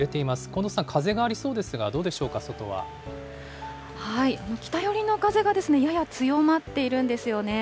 近藤さん、風がありそうですが、北寄りの風が、やや強まっているんですよね。